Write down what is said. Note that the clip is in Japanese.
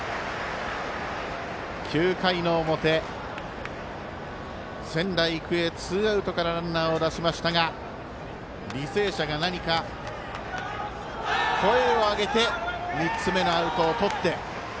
９回の表、仙台育英ツーアウトからランナーを出しましたが履正社が何か声を上げて３つ目のアウトをとって。